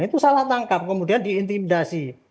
itu salah tangkap kemudian diintimidasi